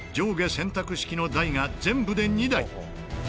選択式の台が全部で２台。